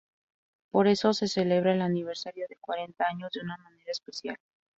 Por eso, se celebra el aniversario de cuarenta años de una manera especial.